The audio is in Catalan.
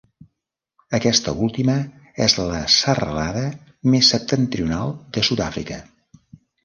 Aquesta última és la serralada més septentrional de Sud-àfrica.